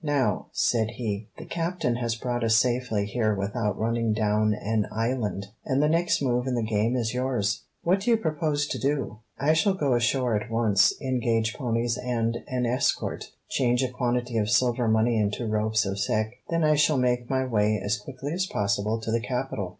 "Now," said he, "the captain has brought us safely here without running down an island, and the next move in the game is yours. What do you propose to do?" "I shall go ashore at once, engage ponies and an escort, change a quantity of silver money into ropes of sek, then I shall make my way as quickly as possible to the capital."